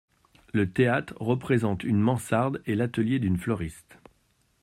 Le théâtre représente une mansarde et l’atelier d’une fleuriste.